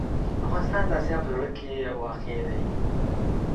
افغانستان د اسیا په زړه کې واقع دی.